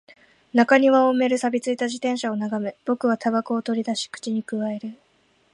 中庭を埋める錆び付いた自転車を眺め、僕は煙草を取り出し、口に咥える